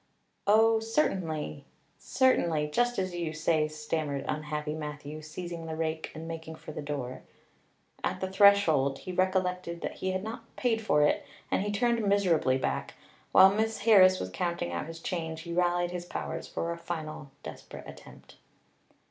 "Oh, certainly certainly just as you say," stammered unhappy Matthew, seizing the rake and making for the door. At the threshold he recollected that he had not paid for it and he turned miserably back. While Miss Harris was counting out his change he rallied his powers for a final desperate attempt.